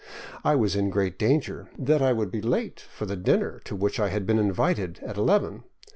I was in great danger — that I should be late for the dinner to which I had been invited at eleven.